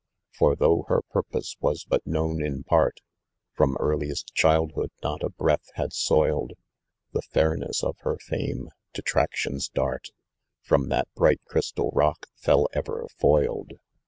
Tor though her purpose was but saovn in part, From earliest childhood not a breath bad soiled The fairness of her rime; Detraction's dart Trom that bright crystal rock, fell ever lolled.